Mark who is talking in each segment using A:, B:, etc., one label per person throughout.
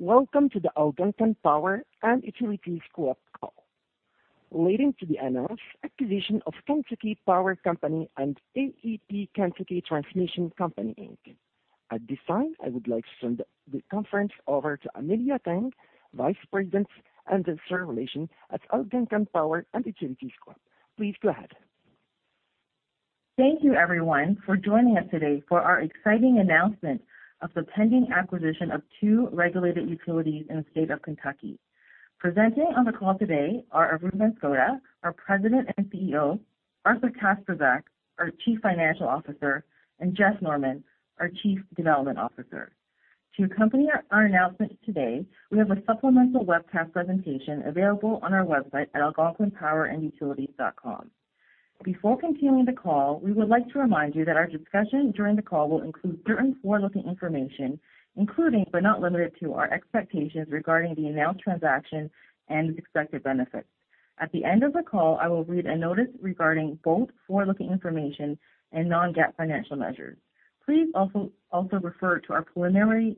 A: Welcome to the Algonquin Power & Utilities Corp. call relating to the announced acquisition of Kentucky Power Company and AEP Kentucky Transmission Company, Inc. At this time, I would like to turn the conference over to Amelia Tsang, Vice President, Investor Relations at Algonquin Power & Utilities Corp. Please go ahead.
B: Thank you everyone for joining us today for our exciting announcement of the pending acquisition of two regulated utilities in the state of Kentucky. Presenting on the call today are Arun Banskota, our President and CEO, Arthur Kacprzak, our Chief Financial Officer, and Jeff Norman, our Chief Development Officer. To accompany our announcement today, we have a supplemental webcast presentation available on our website at algonquinpowerandutilities.com. Before continuing the call, we would like to remind you that our discussion during the call will include certain forward-looking information, including but not limited to our expectations regarding the announced transaction and its expected benefits. At the end of the call, I will read a notice regarding both forward-looking information and non-GAAP financial measures. Please also refer to our preliminary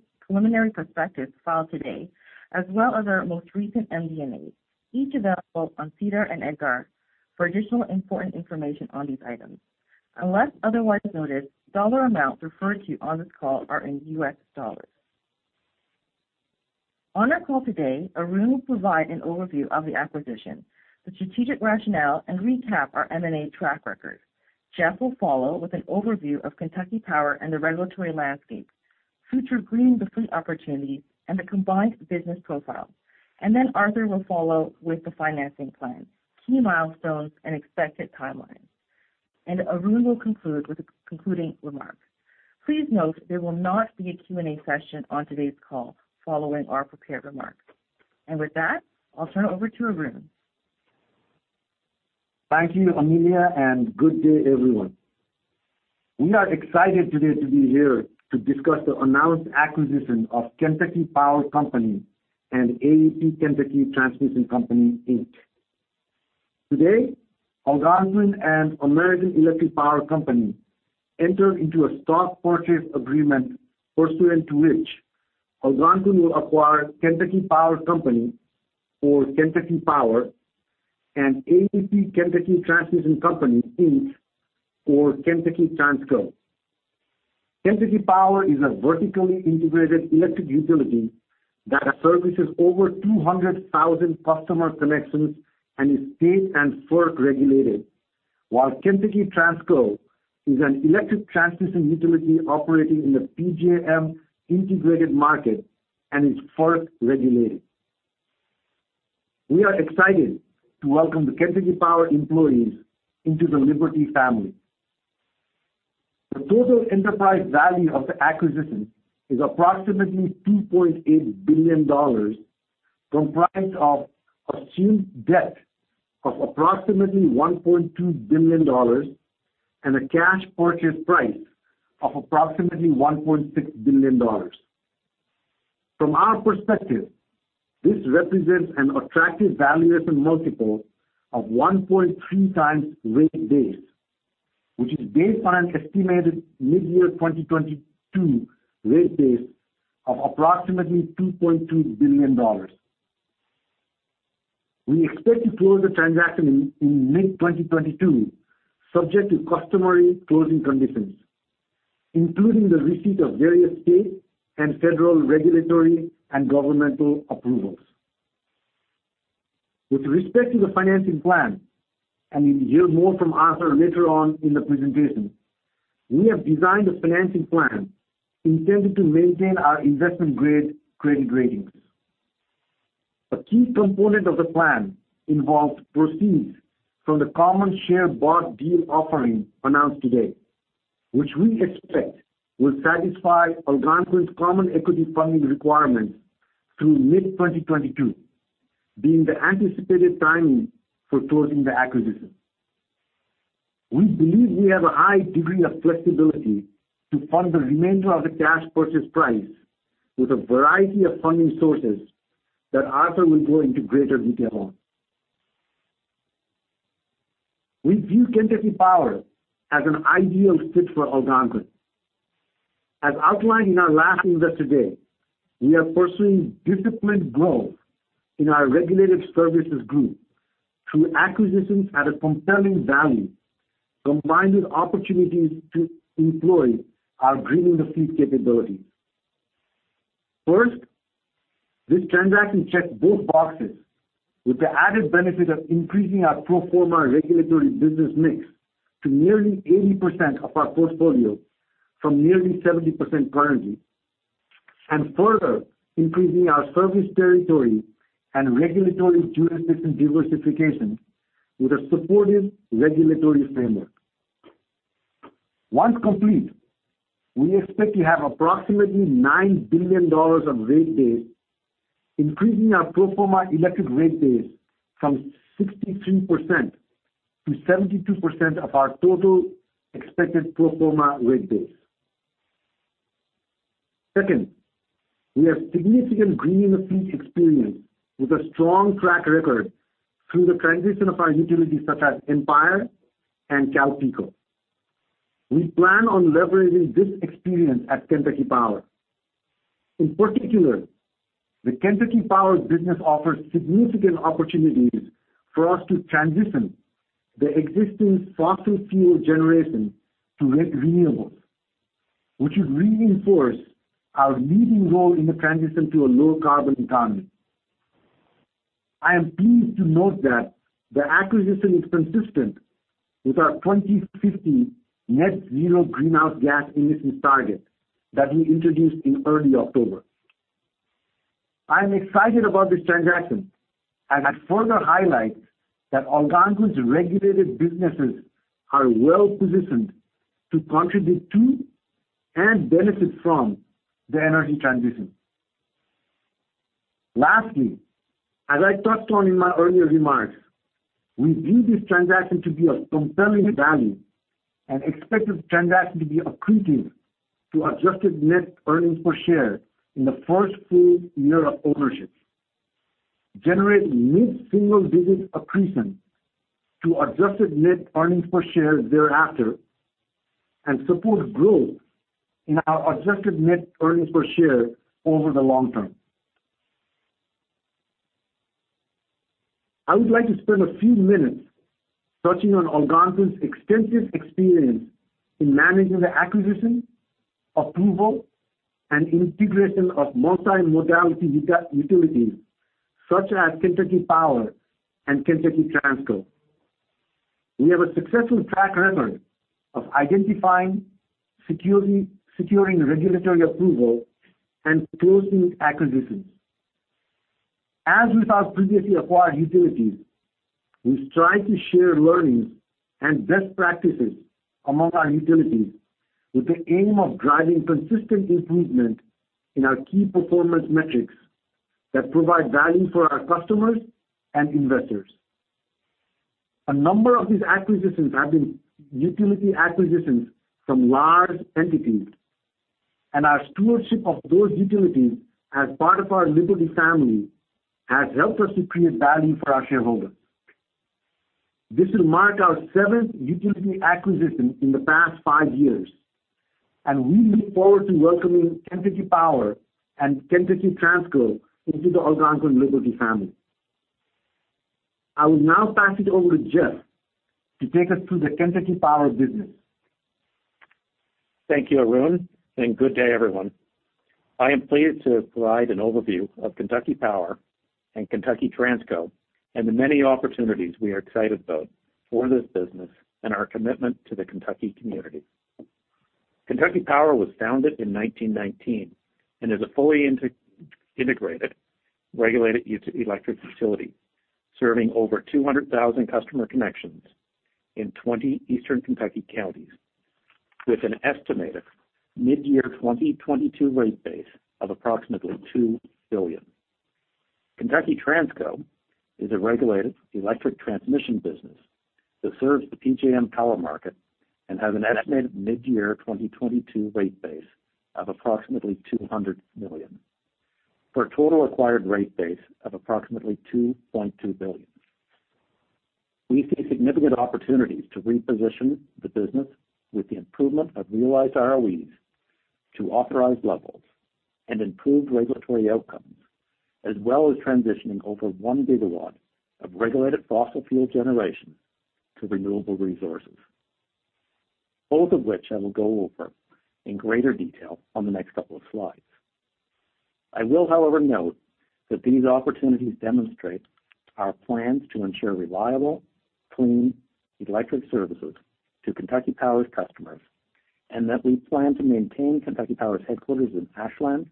B: prospectus filed today as well as our most recent MD&A, each available on SEDAR and EDGAR for additional important information on these items. Unless otherwise noted, dollar amounts referred to on this call are in U.S. dollars. On our call today, Arun will provide an overview of the acquisition, the strategic rationale, and recap our M&A track record. Jeff will follow with an overview of Kentucky Power and the regulatory landscape, future Greening the Fleet opportunities, and the combined business profile. Then Arthur will follow with the financing plan, key milestones, and expected timelines. Arun will conclude with the concluding remarks. Please note there will not be a Q&A session on today's call following our prepared remarks. With that, I'll turn it over to Arun.
C: Thank you, Amelia, and good day, everyone. We are excited today to be here to discuss the announced acquisition of Kentucky Power Company and AEP Kentucky Transmission Company, Inc. Today, Algonquin and American Electric Power Company entered into a stock purchase agreement pursuant to which Algonquin will acquire Kentucky Power Company or Kentucky Power and AEP Kentucky Transmission Company, Inc. or Kentucky Transco. Kentucky Power is a vertically integrated electric utility that services over 200,000 customer connections and is state and FERC-regulated, while Kentucky Transco is an electric transmission utility operating in the PJM integrated market and is FERC-regulated. We are excited to welcome the Kentucky Power employees into the Liberty family. The total enterprise value of the acquisition is approximately $2.8 billion, comprised of assumed debt of approximately $1.2 billion and a cash purchase price of approximately $1.6 billion. From our perspective, this represents an attractive valuation multiple of 1.3x rate base, which is based on an estimated midyear 2022 rate base of approximately $2.2 billion. We expect to close the transaction in mid-2022, subject to customary closing conditions, including the receipt of various state and federal regulatory and governmental approvals. With respect to the financing plan, and you'll hear more from Arthur later on in the presentation, we have designed a financing plan intended to maintain our investment-grade credit ratings. A key component of the plan involves proceeds from the common share bought deal offering announced today, which we expect will satisfy Algonquin's common equity funding requirements through mid-2022, being the anticipated timing for closing the acquisition. We believe we have a high degree of flexibility to fund the remainder of the cash purchase price with a variety of funding sources that Arthur will go into greater detail on. We view Kentucky Power as an ideal fit for Algonquin. As outlined in our last Investor Day, we are pursuing disciplined growth in our regulated services group through acquisitions at a compelling value, combined with opportunities to employ our Greening the Fleet capabilities. First, this transaction checks both boxes with the added benefit of increasing our pro forma regulatory business mix to nearly 80% of our portfolio from nearly 70% currently. Further increasing our service territory and regulatory jurisdiction diversification with a supportive regulatory framework. Once complete, we expect to have approximately $9 billion of rate base, increasing our pro forma electric rate base from 63%-72% of our total expected pro forma rate base. Second, we have significant Greening the Fleet experience with a strong track record through the transition of our utilities such as Empire and CalPeco. We plan on leveraging this experience at Kentucky Power. In particular, the Kentucky Power business offers significant opportunities for us to transition the existing fossil fuel generation to renewables, which would reinforce our leading role in the transition to a low carbon economy. I am pleased to note that the acquisition is consistent with our 2050 net zero greenhouse gas emissions target that we introduced in early October. I am excited about this transaction and I further highlight that Algonquin's regulated businesses are well-positioned to contribute to and benefit from the energy transition. Lastly, as I touched on in my earlier remarks, we view this transaction to be of compelling value and expect this transaction to be accretive to adjusted net earnings per share in the first full year of ownership, generate mid-single digit accretion to adjusted net earnings per share thereafter, and support growth in our adjusted net earnings per share over the long term. I would like to spend a few minutes touching on Algonquin's extensive experience in managing the acquisition, approval, and integration of multi-modality utilities such as Kentucky Power and Kentucky Transco. We have a successful track record of identifying securing regulatory approval and closing acquisitions. As with our previously acquired utilities, we strive to share learnings and best practices among our utilities with the aim of driving consistent improvement in our key performance metrics that provide value for our customers and investors. A number of these acquisitions have been utility acquisitions from large entities, and our stewardship of those utilities as part of our Liberty family has helped us to create value for our shareholders. This will mark our seventh utility acquisition in the past five years, and we look forward to welcoming Kentucky Power and Kentucky Transco into the Algonquin Liberty family. I will now pass it over to Jeff to take us through the Kentucky Power business.
D: Thank you, Arun, and good day, everyone. I am pleased to provide an overview of Kentucky Power and Kentucky Transco and the many opportunities we are excited about for this business and our commitment to the Kentucky community. Kentucky Power was founded in 1919 and is a fully integrated, regulated electric utility serving over 200,000 customer connections in 20 Eastern Kentucky counties with an estimated mid-2022 rate base of approximately $2 billion. Kentucky Transco is a regulated electric transmission business that serves the PJM power market and has an estimated mid-2022 rate base of approximately $200 million for a total acquired rate base of approximately $2.2 billion. We see significant opportunities to reposition the business with the improvement of realized ROEs to authorized levels and improved regulatory outcomes, as well as transitioning over 1 gigawatt of regulated fossil fuel generation to renewable resources, both of which I will go over in greater detail on the next couple of slides. I will, however, note that these opportunities demonstrate our plans to ensure reliable, clean electric services to Kentucky Power's customers and that we plan to maintain Kentucky Power's headquarters in Ashland,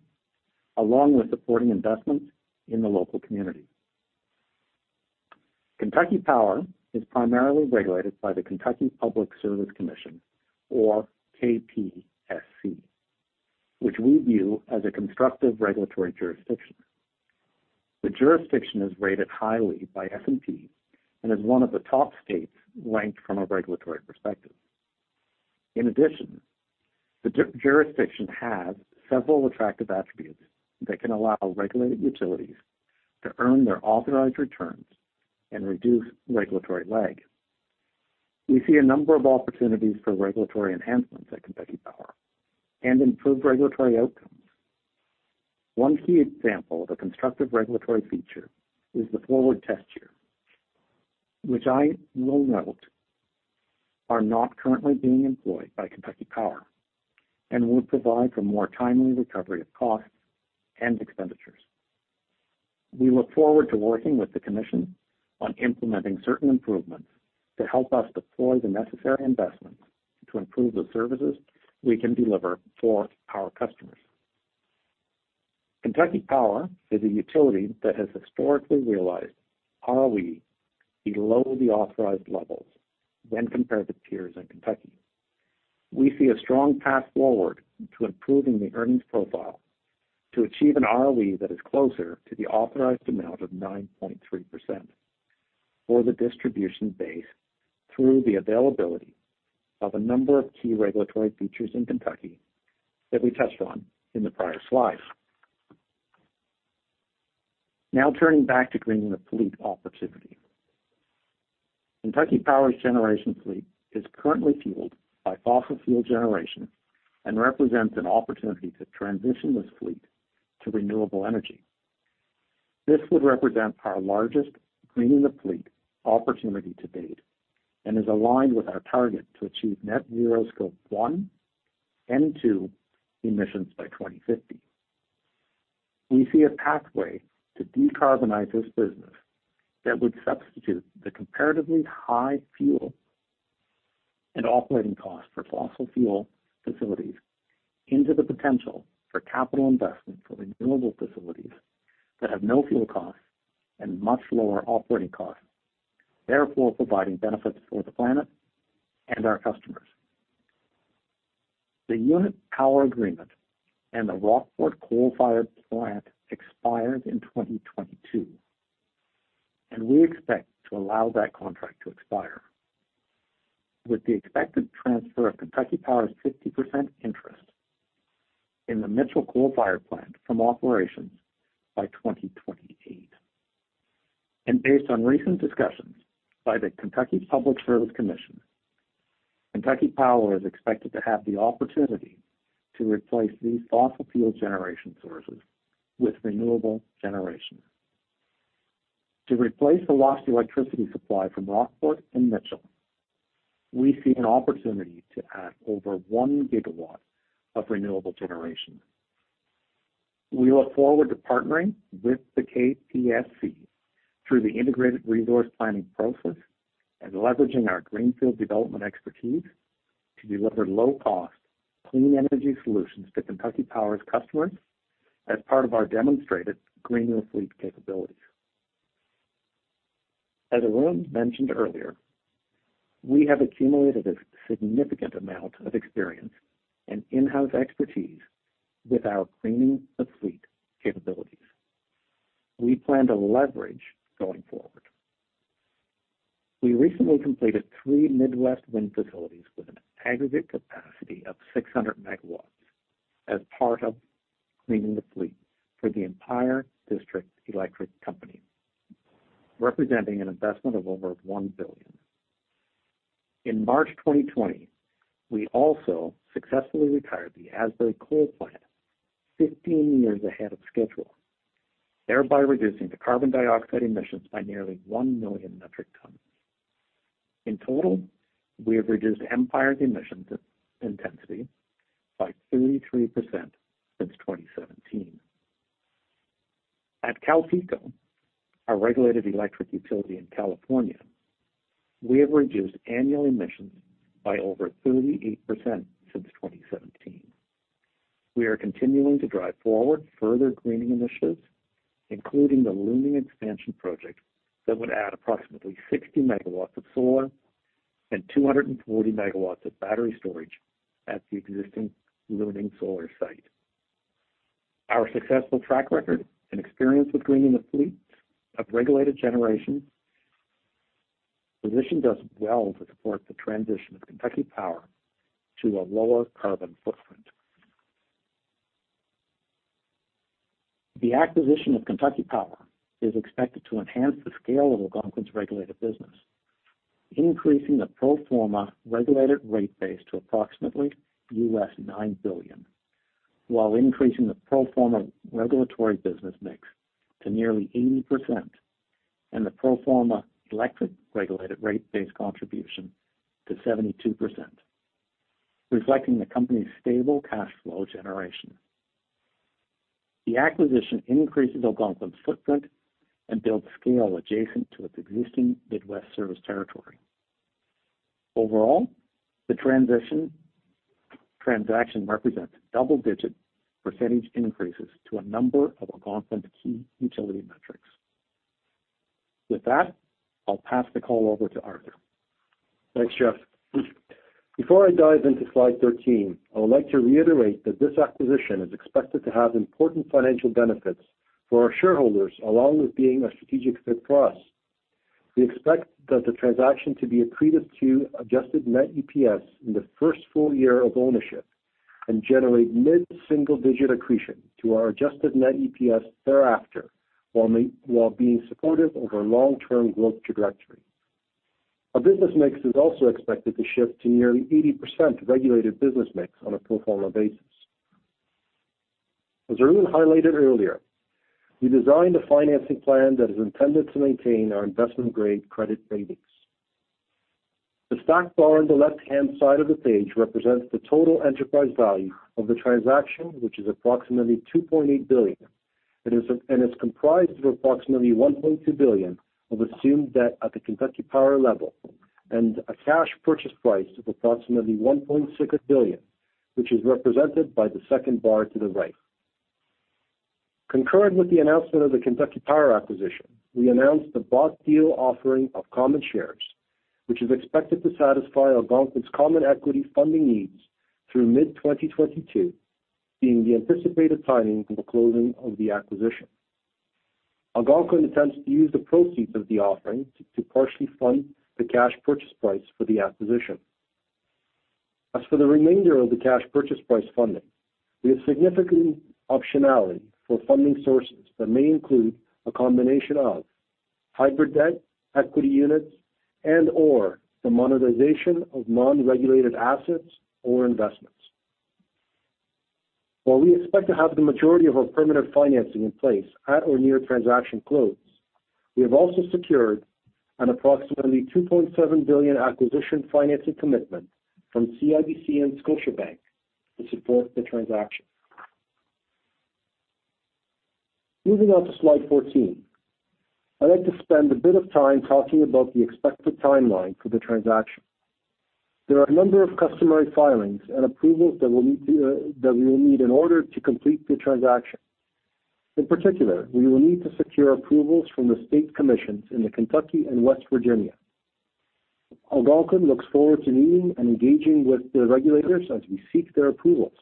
D: along with supporting investments in the local community. Kentucky Power is primarily regulated by the Kentucky Public Service Commission or KPSC, which we view as a constructive regulatory jurisdiction. The jurisdiction is rated highly by S&P and is one of the top states ranked from a regulatory perspective. In addition, the jurisdiction has several attractive attributes that can allow regulated utilities to earn their authorized returns and reduce regulatory lag. We see a number of opportunities for regulatory enhancements at Kentucky Power and improved regulatory outcomes. One key example of a constructive regulatory feature is the forward test year, which I will note are not currently being employed by Kentucky Power and will provide for more timely recovery of costs and expenditures. We look forward to working with the commission on implementing certain improvements to help us deploy the necessary investments to improve the services we can deliver for our customers. Kentucky Power is a utility that has historically realized ROE below the authorized levels when compared to peers in Kentucky. We see a strong path forward to improving the earnings profile to achieve an ROE that is closer to the authorized amount of 9.3% for the distribution base through the availability of a number of key regulatory features in Kentucky that we touched on in the prior slide. Now turning back to Greening the Fleet opportunity. Kentucky Power's generation fleet is currently fueled by fossil fuel generation and represents an opportunity to transition this fleet to renewable energy. This would represent our largest Greening the Fleet opportunity to date, and is aligned with our target to achieve net zero Scope 1 and 2 emissions by 2050. We see a pathway to decarbonize this business that would substitute the comparatively high fuel and operating costs for fossil fuel facilities into the potential for capital investment for renewable facilities that have no fuel costs and much lower operating costs, therefore providing benefits for the planet and our customers. The unit power agreement and the Rockport Coal-Fired Plant expires in 2022, and we expect to allow that contract to expire, with the expected transfer of Kentucky Power's 50% interest in the Mitchell Coal-Fired Plant from operations by 2028. Based on recent discussions by the Kentucky Public Service Commission, Kentucky Power is expected to have the opportunity to replace these fossil fuel generation sources with renewable generation. To replace the lost electricity supply from Rockport and Mitchell, we see an opportunity to add over 1 gigawatt of renewable generation. We look forward to partnering with the KPSC through the integrated resource planning process and leveraging our greenfield development expertise to deliver low-cost, clean energy solutions to Kentucky Power's customers as part of our demonstrated Greening the Fleet capabilities. As Arun mentioned earlier, we have accumulated a significant amount of experience and in-house expertise with our Greening the Fleet capabilities we plan to leverage going forward. We recently completed three Midwest wind facilities with an aggregate capacity of 600 MW as part of Greening the Fleet for the Empire District Electric Company, representing an investment of over $1 billion. In March 2020, we also successfully retired the Asbury Coal Plant 15 years ahead of schedule, thereby reducing the carbon dioxide emissions by nearly 1 million metric tons. In total, we have reduced Empire's emissions intensity by 33% since 2017. At CalPeco, our regulated electric utility in California, we have reduced annual emissions by over 38% since 2017. We are continuing to drive forward further greening initiatives, including the Luning Expansion Project that would add approximately 60 MW of solar and 240 MW of battery storage at the existing Luning solar site. Our successful track record and experience with Greening the Fleet of regulated generation positions us well to support the transition of Kentucky Power to a lower carbon footprint. The acquisition of Kentucky Power is expected to enhance the scale of Algonquin's regulated business, increasing the pro forma regulated rate base to approximately $9 billion, while increasing the pro forma regulatory business mix to nearly 80% and the pro forma electric regulated rate base contribution to 72%, reflecting the company's stable cash flow generation. The acquisition increases Algonquin's footprint and builds scale adjacent to its existing Midwest service territory. Overall, the transaction represents double-digit percentage increases to a number of Algonquin's key utility metrics. With that, I'll pass the call over to Arthur.
E: Thanks, Jeff. Before I dive into slide 13, I would like to reiterate that this acquisition is expected to have important financial benefits for our shareholders, along with being a strategic fit for us. We expect the transaction to be accretive to adjusted net EPS in the first full year of ownership and generate mid-single-digit accretion to our adjusted net EPS thereafter, while being supportive of our long-term growth trajectory. Our business mix is also expected to shift to nearly 80% regulated business mix on a pro forma basis. As Arun highlighted earlier, we designed a financing plan that is intended to maintain our investment-grade credit ratings. The stacked bar on the left-hand side of the page represents the total enterprise value of the transaction, which is approximately $2.8 billion and is comprised of approximately $1.2 billion of assumed debt at the Kentucky Power level and a cash purchase price of approximately $1.6 billion, which is represented by the second bar to the right. Concurrent with the announcement of the Kentucky Power acquisition, we announced the bought deal offering of common shares, which is expected to satisfy Algonquin's common equity funding needs through mid-2022, being the anticipated timing for the closing of the acquisition. Algonquin intends to use the proceeds of the offering to partially fund the cash purchase price for the acquisition. As for the remainder of the cash purchase price funding, we have significant optionality for funding sources that may include a combination of hybrid debt, equity units and/or the monetization of non-regulated assets or investments. While we expect to have the majority of our permanent financing in place at or near transaction close, we have also secured an approximately $2.7 billion acquisition financing commitment from CIBC and Scotiabank to support the transaction. Moving on to slide 14. I'd like to spend a bit of time talking about the expected timeline for the transaction. There are a number of customary filings and approvals that we will need in order to complete the transaction. In particular, we will need to secure approvals from the state commissions in Kentucky and West Virginia. Algonquin looks forward to meeting and engaging with the regulators as we seek their approvals.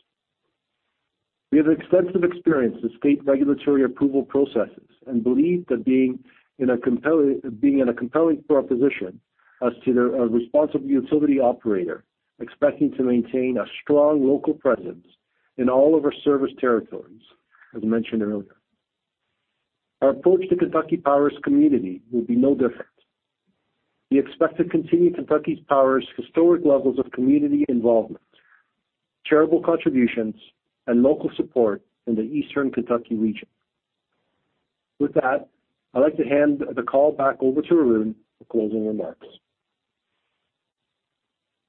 E: We have extensive experience with state regulatory approval processes and believe that being in a compelling proposition as to the responsible utility operator expecting to maintain a strong local presence in all of our service territories, as mentioned earlier. Our approach to Kentucky Power's community will be no different. We expect to continue Kentucky Power's historic levels of community involvement, charitable contributions and local support in the Eastern Kentucky region. With that, I'd like to hand the call back over to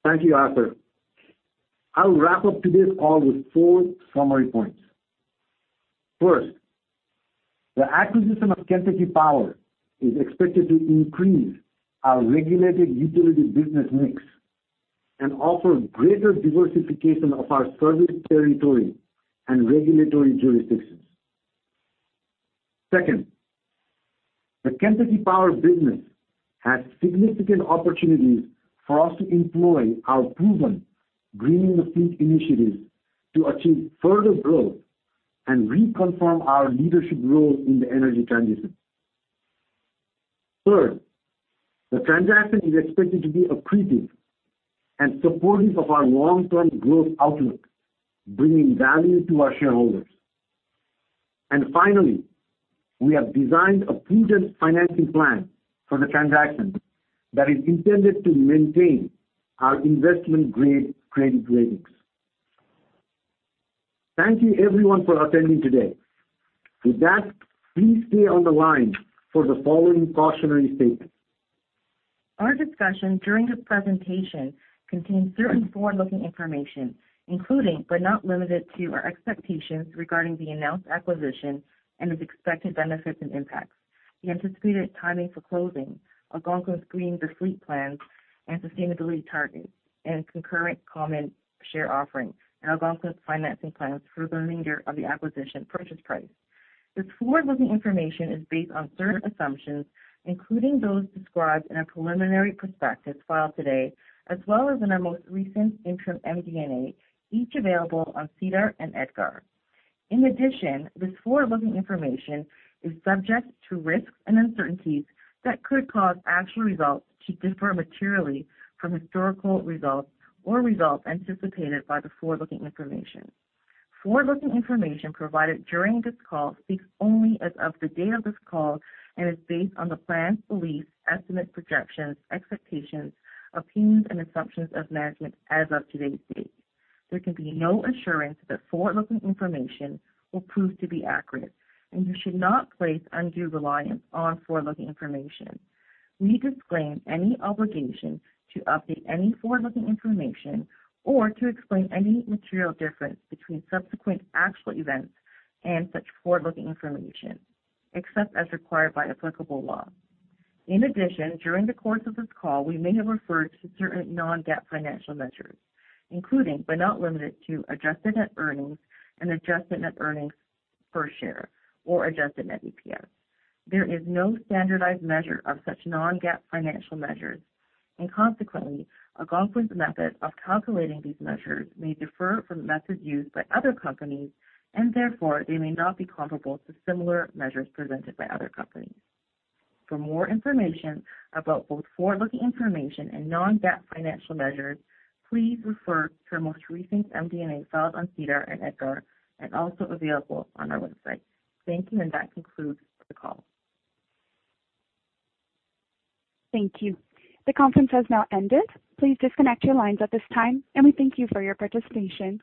E: Arun for closing remarks.
C: Thank you, Arthur. I'll wrap up today's call with four summary points. First, the acquisition of Kentucky Power is expected to increase our regulated utility business mix and offer greater diversification of our service territory and regulatory jurisdictions. Second, the Kentucky Power business has significant opportunities for us to employ our proven Greening the Fleet initiatives to achieve further growth and reconfirm our leadership role in the energy transition. Third, the transaction is expected to be accretive and supportive of our long-term growth outlook, bringing value to our shareholders. Finally, we have designed a prudent financing plan for the transaction that is intended to maintain our investment-grade credit ratings. Thank you everyone for attending today. With that, please stay on the line for the following cautionary statement.
B: Our discussion during this presentation contains certain forward-looking information, including, but not limited to, our expectations regarding the announced acquisition and its expected benefits and impacts, the anticipated timing for closing Algonquin's Greening the Fleet plans and sustainability targets and concurrent common share offering and Algonquin's financing plans for the remainder of the acquisition purchase price. This forward-looking information is based on certain assumptions, including those described in our preliminary prospectus filed today as well as in our most recent interim MD&A, each available on SEDAR and EDGAR. In addition, this forward-looking information is subject to risks and uncertainties that could cause actual results to differ materially from historical results or results anticipated by the forward-looking information. Forward-looking information provided during this call speaks only as of the date of this call and is based on the plans, beliefs, estimates, projections, expectations, opinions, and assumptions of management as of today's date. There can be no assurance that forward-looking information will prove to be accurate, and you should not place undue reliance on forward-looking information. We disclaim any obligation to update any forward-looking information or to explain any material difference between subsequent actual events and such forward-looking information, except as required by applicable law. In addition, during the course of this call, we may have referred to certain non-GAAP financial measures, including, but not limited to adjusted net earnings and adjusted net earnings per share or adjusted net EPS. There is no standardized measure of such non-GAAP financial measures, and consequently, Algonquin's method of calculating these measures may differ from the methods used by other companies and therefore they may not be comparable to similar measures presented by other companies. For more information about both forward-looking information and non-GAAP financial measures, please refer to our most recent MD&A filed on SEDAR and EDGAR and also available on our website. Thank you. That concludes the call.
A: Thank you. The conference has now ended. Please disconnect your lines at this time, and we thank you for your participation.